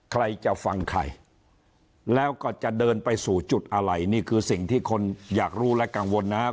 ใครจะฟังใครแล้วก็จะเดินไปสู่จุดอะไรนี่คือสิ่งที่คนอยากรู้และกังวลนะครับ